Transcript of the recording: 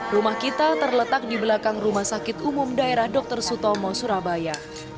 rumah kita terletak di belakang rumah sakit umum daerah dr sutomo surabaya